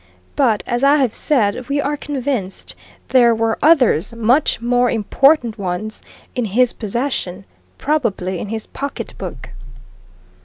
But as I have said, we are convinced there were others much more important ones! in his possession, probably in his pocketbook."